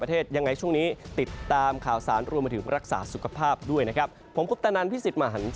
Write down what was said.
โปรดติดตามตอนต่อไป